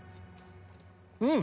うん！